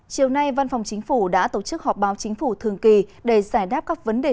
chiều nay văn phòng chính phủ đã tổ chức họp báo chính phủ thường kỳ để giải đáp các vấn đề